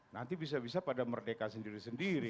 nanti bisa bisa pada merdeka sendiri sendiri